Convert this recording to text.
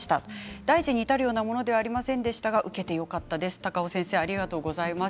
大事に至るものではありませんでしたが受けてよかったと思います。